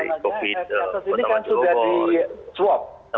ini kan sudah di swap